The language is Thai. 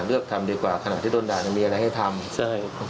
เลือกทำดีกว่าขณะที่โดนด่ายังมีอะไรให้ทำใช่